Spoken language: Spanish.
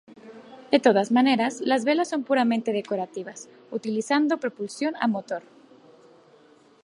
De todas maneras, las velas son puramente decorativas, utilizando propulsión a motor.